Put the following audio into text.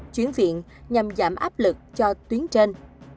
chuyển viện nhằm giảm áp lực cho tuyến trên